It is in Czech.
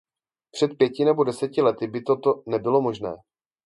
Před pěti nebo deseti lety by toto nebylo možné.